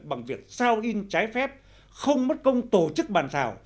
bằng việc sao in trái phép không mất công tổ chức bàn thảo